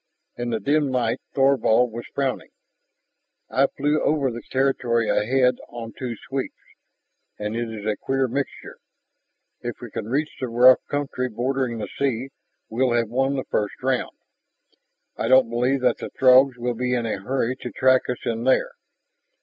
In the dim light Thorvald was frowning. "I flew over the territory ahead on two sweeps, and it is a queer mixture. If we can reach the rough country bordering the sea, we'll have won the first round. I don't believe that the Throgs will be in a hurry to track us in there.